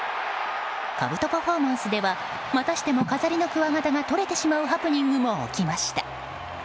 かぶとパフォーマンスではまたしても飾りのくわ形が取れてしまうハプニングも起きました。